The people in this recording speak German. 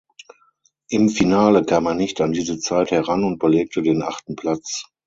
Im Finale kam er nicht an diese Zeit heran und belegte den achten Platz.